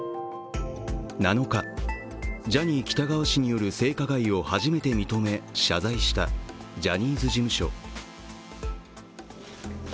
７日、ジャニー喜多川氏による性加害を初めて認め謝罪したジャニーズ事務所。